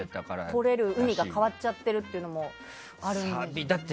とれる海が変わっちゃっているというのもあるみたいです。